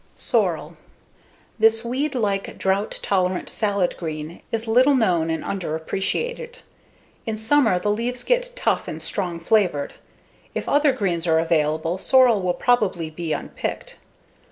Sorrel This weed like, drought tolerant salad green is little known and underappreciated. In summer the leaves get tough and strong flavored; if other greens are available, sorrel will probably be unpicked.